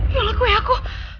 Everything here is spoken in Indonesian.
yolah kue aku